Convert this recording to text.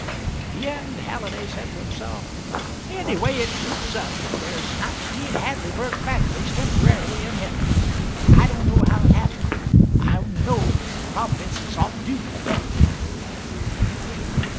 In the end Halliday said to himself, "Anyway it roots up that there's nineteen Hadleyburg families temporarily in heaven: I don't know how it happened; I only know Providence is off duty to day."